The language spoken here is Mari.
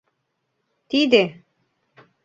— Тиде!